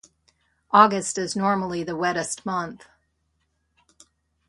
August is normally the wettest month.